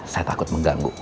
saya takut mengganggu